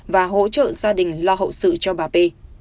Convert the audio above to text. và hỗ trợ gia đình lo hậu sự cho bà p